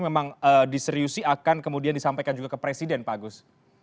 memang diseriusi akan kemudian disampaikan juga ke presiden pak agus